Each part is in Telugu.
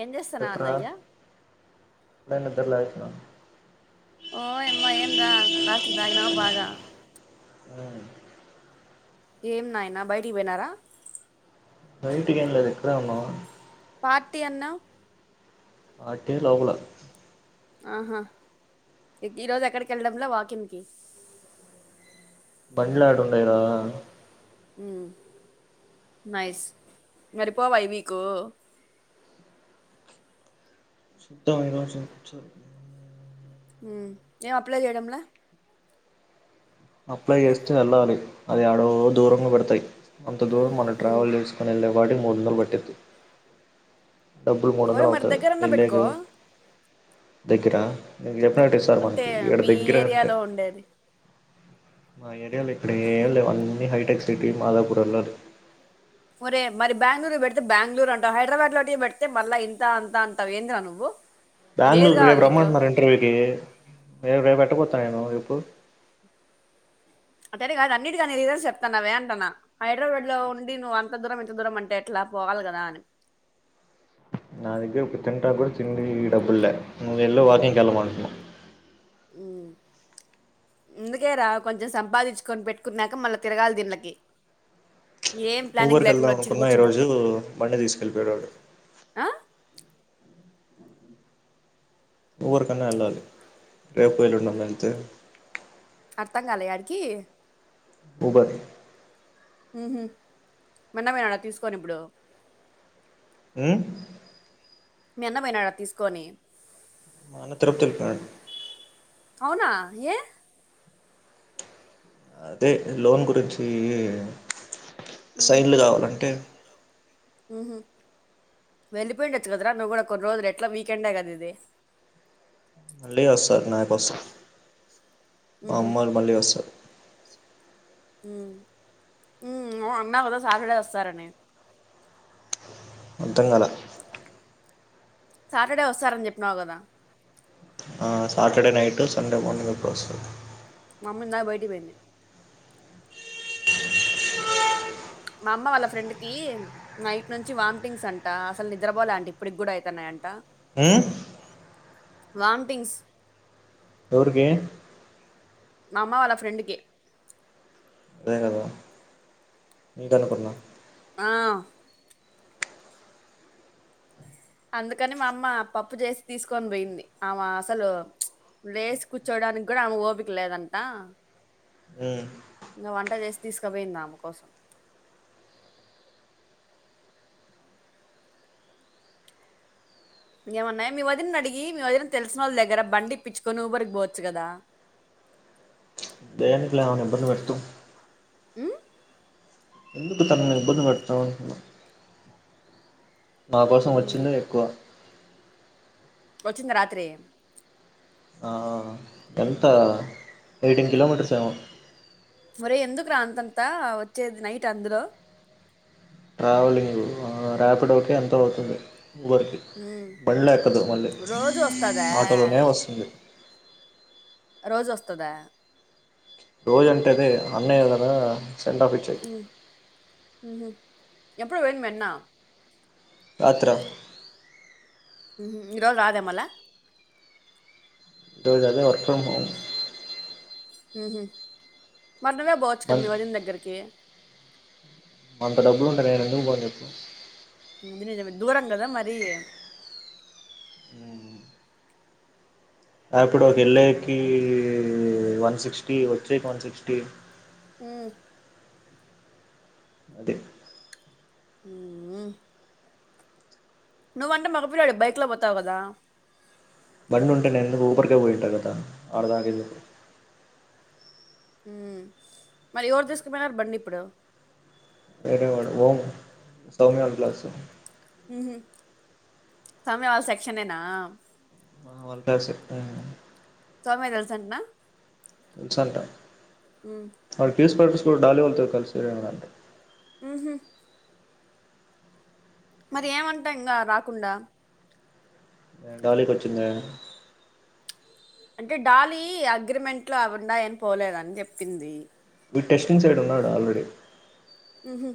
ఏం చేస్తున్నావ్ చెప్పరా అన్నయ్య ఇప్పుడే నిద్ర లేచిన ఓయమ్మా ఏం రా రాత్రి తాగినావా బాగా ఉమ్మ్ ఏం నాయనా బయటికి పోయినారా బయటికి ఏం లేదు ఇక్కడే ఉన్నాము పార్టీ అన్నావ్ పార్టీ లోపల ఆహా ఈరోజు ఎక్కడికి ఎళ్ళడంలా వాకిన్ కి బండ్లు యాడుండాయ్ రా ఉమ్మ్ నైస్ మరి పోవా ఈ వీకూ చూద్దాం ఈరోజు వచ్చా కదా ఉమ్మ్ ఏం అప్లై చేయడంలా అప్లై చేస్తే వెళ్ళాలి అది యాడో దూరంగా పడతాయి అంత దూరం మనం ఉమ్, ట్రావెల్ చేసు కొని ఎళ్లేపాటికి మూడు వందలు పట్టిద్ది డబ్బులు మూడు ఒరే వందలు మరి అవుతాది దగ్గరన్నా ఎళ్ళేకి పెట్టుకో దగ్గర నేను చెప్పినట్టే ఇస్తారు అంటే మనకి ఈడ మీ దగ్గరే వత్తాయి ఏరియాలో ఉండేది మా ఏరియాలో ఇక్కడ ఏం లేవు అన్ని హైటెక్ సిటీ మాధాపుర్ వెళ్ళాలి ఓరే మరి బెంగూరు పెడితే బెంగళూరు అంటావు హైదరాబాద్ లో పెడితే మళ్ళా ఇంత అంత అంటావు ఏంది రా నువ్వు ఏది బెంగళూరు కావాలి రేపు నీకు రమ్మంటున్నారు ఇంటర్వ్యూకి రేపు రేపు పెట్టపోతాను నేను చెప్పు అట్టని కాదు అన్నిటి కన్ని రీజన్స్ చెప్తాను వే అంటానా హైదరాబాద్ లో ఉండి నువ్వు అంత దూరం ఇంత దూరం అంటే ఎట్లా పోవాలి కదా అని నా దగ్ ఒక తింటడబ్బ కూడా తిండి డబుల్ [unintelligible] మూందుల్లో వాకింగ్ కళ్ళమంటన్నాను ఉం అందుకే రా కొంచెం సంపాదించుకొని పెట్టుకున్నాక మళ్ళీ తిరగాలి దీళ్లకి ఊబర్కి వెళ్దాం వచ్చి అనుకున్న ఈ కూర్చున్నావు రోజు బండి తీసుకెళ్ళిపోయాడు వాడు ఆ ఉబెర్ కన్నా వెళ్ళాలి రేపు ఎలుండన్న వెళ్తే అర్థం కాల ఎడికి ఉబెర్ హు హామ్ మానమే ఆడ తీసుకోని ఇప్పుడు ఉం మీ అన్న పోయినాడా తీసుకొని మా అన్న తిరపుతి ఎల్లిపోయినాడు అవునా ఏ అదే లోన్ గురించి ఉం సైన్లు కావాలంటే [unintelligible] హు హామ్ వెళ్లిపోయిండొచ్చు కదరా నువ్వు కూడా కొన్ని రోజులు ఎట్లా వీకెండ్ కద నీది మళ్లిీ వ సార్ నా పసార్ మా [unintelligible] ఉహుం. అమ్మలు మళ్లిీ అ సార్ అన్నా [unintelligible] కదా సార్డే వస్తారని అర్థం కాలా సాటర్డే వస్తారని చెప్పినావు కదా ఆ సాటర్డే నైట్ సండే మార్నింగ్ప్పుడు వస్తది మమ్మీ ఇందాక బయటికి పోయింది మా అమ్మ వాళ్ళ ఫ్రెండ్ కీ నైట్ నుంచి వామిటింగ్స్ అంట అసలు నిద్రపోలే అంటే ఇప్పటికి కూడా అయితున్నాయంట ఉం వాంటింగ్స్ ఎవరికీ మా అమ్మ వాళ్ళ ఫ్రెండ్ కి అదే గద మీకు అనుకున్నా ఆ అందుకని మా అమ్మ పప్పు చేసి తీసుకొని పోయింది ఆమ అసలు లేసి కూర్చోడానికి కూడా ఆమె ఓపిక లేదంతా ఉం ఇంగా వంట చేసి తీసుకుపోయిందామ కోసం ఏమన్నాయ మీ వదిన అడిగి మీ వదిన తెలిస వాళ దగ్గర బండి ఇపిచ్చుకని [unintelligible] ఊరికి పోవచ్చు కదా దయ నకుల నింబలు వరుతూ [unintelligible] ఉమ్? ఎందుకు తననీ ఇబ్బందుంది పెడుతా అనుకునా మా కోసం ఉమ్. వచ్చిందే ఎక్కువ వచ్చింది రాత్రి ఆ ఎంత ఎయిటీన్ కిలోమీటర్స్ ఏమో ఒరే ఎందుకు రా అంతంతా వచ్చేది నైట్ అందులో ట్రావెలింగ్ రాపిడో ఒక ఓకే ఎంత అవుతుంది ఊరికి ఉమ్. బండి ఎక్కదు మళ్ళీ రోజు వస్తుందా ఆటోలోనే వస్తుంది రోజు వస్తదా రోజు అంటేదే అన్నయ్య ఏ కద సెండ్ ఆఫ్ ఇచ్చే ఉ ఊహు ఎప్పుడు పోయింది మీఅన్న రాత్ర ఈ రోజు రాదేమల్లా రోజూ అదే వర్క్ ఫ్రమ్ హోమ్ ఊహు మరి నువ్వే పోవచ్చు కదా మన్ మీ వదిన దగ్గరికి అంత డబ్బులు ఉంటే నేను ఎందుకు పోను చెప్పు అది నిజమే దూరంగదా మరి మ్ అప్పుడు ఒక వెళ్ళేకి వన్ సిక్స్టీ వచ్చేకి వన్ సిక్స్టీ మ్ అదే ఊ ఉ నువ్వంటే మగ పిల్లోడు బైక్లో పోతావు కదా బండి ఉంటే నే ఎందుకు ఊపర్కే పోయింటా కదా ఆడి దాకా ఎందుకు హ్మ్ మరి ఎవరు తీసుకుపోయినారు బండి ఇప్పుడు వేరే వాడు ఓ సౌమ్య వాళ్ళ క్లాసు ఊహు కానీ ఆ సెక్షనేనా హ వాళ్ళ క్లాసె హ్మ్ సౌమ్య కి తెలుసంటనా తెలుసంట హహ్మ్ వాడికి ఫ్యూ పర్స్ కూడా డాలీ వాలతో కలిసిరేమండి ఊహు మరి ఏమంటా ఇంకా రాకుండా డాలీకి వచ్చుంద అంటే డాలీ అగ్రిమెంట్ లో అవి ఉన్నాయి అని పోలేదని చెప్పింది వీడ్ టెస్టింగ్ సైడ్ ఉన్నాడు ఆల్రెడీ ఉహు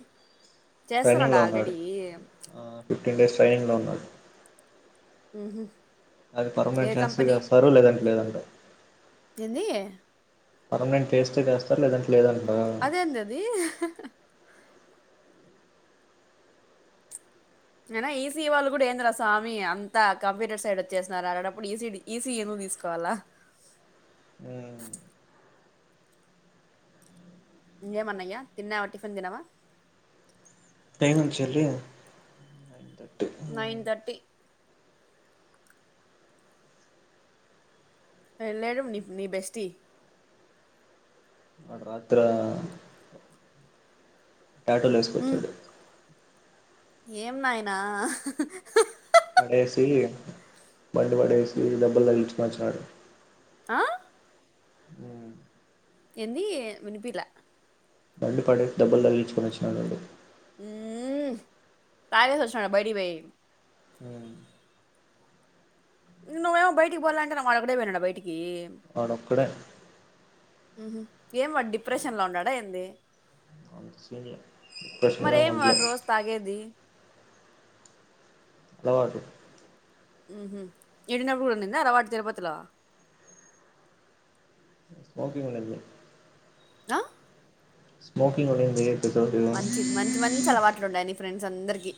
చేస్తున్నాడు ట్రైనింగ్లో ఉన్నాడు ఆల్రెడీ ఆ ఫిఫ్టీన్ డేస్ ట్రైనింగ్లో ఉన్నాడు ఉహు అది ఏ పెర్మనెంట్ చేస్తే కంపెనీ చేస్తారు లేదంటే లేదంట ఏంది పర్మనెంట్ చేస్తే చేస్తారు లేదంటే లేదంటారా అదేందది అయినా ఈసీ వాళ్ళు కూడా ఏంది రా స్వామి అంతా కంప్యూటర్ సైడ్ వచ్చేసిన్నారు అలాటప్పుడు ఈసీడీ ఈసీ ఏను తీసుకోవాలా ఉమ్ ఇంగ ఏం అన్నయ్య తిన్నవ టిఫిన్ తిన్నావా టైమ్ ఉంది చెల్లి నైన్ థర్టీ నైన్ థర్టీ లే లేదు ని ని బెస్టీ రాత్రా టాటూలు ఎస్ ఉ ఏం నాయనా పడేసి బండి పడేసి దెబ్బలు తగిల్చుకుని వచ్చినడు ఆ ఏంది వినిపిలా బండి పడేసి దెబ్బలు తగిలించుకోచ్చినాడు వాడు ఊ పడేసి వచ్చినాడ బయటికి పోయి ఉ నువ్వేమో బయటికి పోవాలంటే వాడు ఒక్కడే పోయినాడ బయటికి వాడు ఒక్కడే ఉహు ఏం వాడు డిప్రెషన్ లో ఉన్నాడా ఏంది మరి [unintelligible] ఏం ఉండలే వాడు రోజు తాగేది అలవాటు ఉహు ఈడ ఉన్నప్పుడు కూడా ఉందా అలవాటు తిరుపతిలో స్మోకింగ్ ఉన్నది ఆ స్మోకింగ్ ఉన్నింది తిరుపతిలో మంచిది మంచి మంచి అలవాట్లు ఉన్నాయి నీ ఫ్రెండ్స్ అందరికి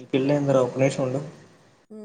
ఈ పిల్ల ఎంది రా ఒక్క నిమిషం ఉండు ఉ